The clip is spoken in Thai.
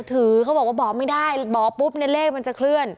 เขาบอกว่าบอกไม่ได้บอกปุ๊บเนี่ยเลขมันจะเคลื่อน